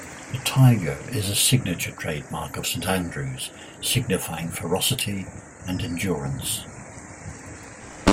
The tiger is a signature trademark of Saint Andrew's, signifying ferocity and endurance.